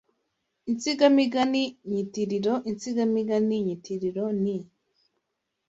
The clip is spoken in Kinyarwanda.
Insigamigani nyitiriro Insigamigani nyitiriro ni